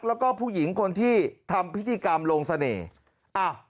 แล้วก็ผู้หญิงคนที่ทำพฤษีกรรมโรงเสน่ห์